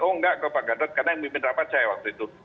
oh enggak ke pak gatot karena yang mimpin rapat saya waktu itu